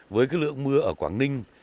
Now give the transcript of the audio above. với cái lượng mưa ở quảng ninh